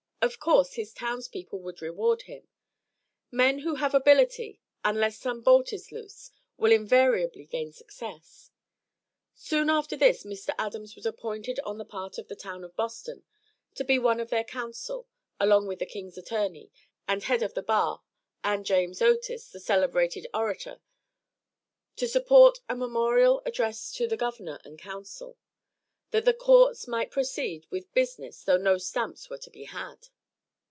Of course his towns people would reward him. Men who have ability, unless some bolt is loose, will invariably gain success. Soon after this Mr. Adams was appointed on the part of the town of Boston to be one of their counsel, along with the King's attorney, and head of the bar, and James Otis, the celebrated orator, to support a memorial addressed to the Governor and Council, that the courts might proceed with business though no stamps were to be had.